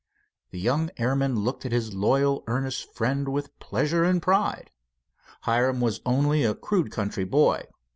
The young airman looked at his loyal, earnest friend with pleasure and pride. Hiram was only a crude country boy.